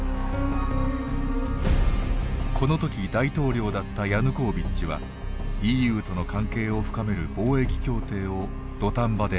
この時大統領だったヤヌコービッチはＥＵとの関係を深める貿易協定を土壇場で破棄。